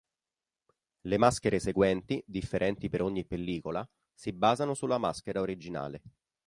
Le maschere seguenti, differenti per ogni pellicola, si basano sulla maschera originale.